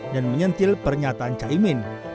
dan menyentil pernyataan caimin